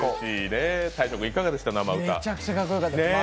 めちゃくちゃかっこよかった。